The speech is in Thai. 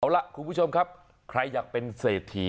เอาล่ะคุณผู้ชมครับใครอยากเป็นเศรษฐี